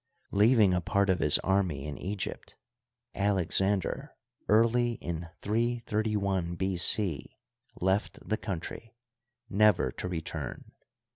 Leaving a part of his army in Egypt, Alexander, early in 331 B. C, left the country, never to return.